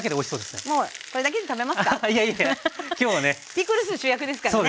ピクルス主役ですからね。